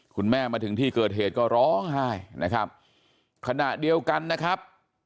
มาถึงที่เกิดเหตุก็ร้องไห้นะครับขณะเดียวกันนะครับ